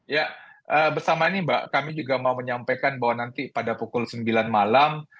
ya bersama ini mbak kami juga mau menyampaikan bahwa nanti pada pukul sembilan malam